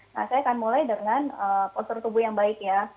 nah saya akan mulai dengan postur tubuh yang baik ya